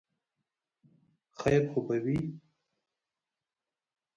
خیر خو به وي ؟